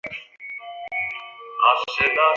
সেদিন হইতে খুড়াসাহেবকে আর বড়ো একটা দেখা যাইত না।